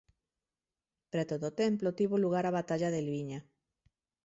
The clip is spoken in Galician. Preto do templo tivo lugar a batalla de Elviña.